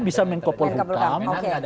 bisa mengkopol hukum